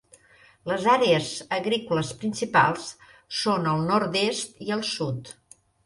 Les àrees agrícoles principals són al nord-est i al sud.